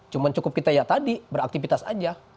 cuma cukup kita ya tadi beraktivitas aja